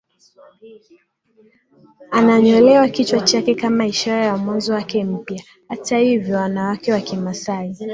ananyolewa kichwa chake kama ishara ya mwanzo wake mpya Hata hivyo wanawake wa Kimasai